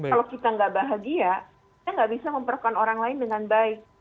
kalau kita nggak bahagia kita nggak bisa memperkuat orang lain dengan baik